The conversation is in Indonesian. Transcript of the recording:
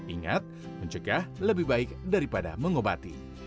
ingat mencegah lebih baik daripada mengobati